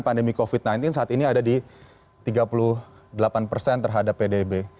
pandemi covid sembilan belas saat ini ada di tiga puluh delapan persen terhadap pdb